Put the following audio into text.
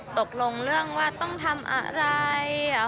ตกลงเรื่องว่าต้องทำอะไร